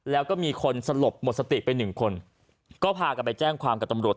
แล้วก็มีคนสลบหมดสติไปหนึ่งคนก็พากันไปแจ้งความกับตำรวจ